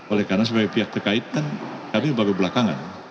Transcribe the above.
oleh karena sebagai pihak terkait kan kami baru belakangan